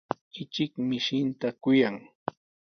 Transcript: Ichik mishinta kuyan.